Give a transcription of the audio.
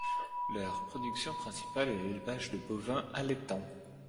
Leur production principale est l'élevage de bovins allaitants.